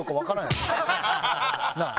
なあ？